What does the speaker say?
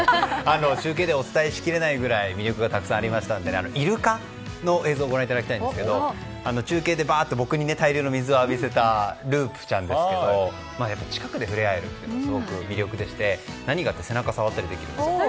中継でお伝えしきれないくらい魅力がありましたけれどもイルカの映像をご覧いただきたいんですが中継で大量の水を浴びせたループちゃんですけど近くで触れ合えるってすごく魅力でして、何がいいって背中を触ったりできるんですよ。